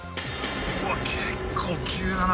うわ結構急だな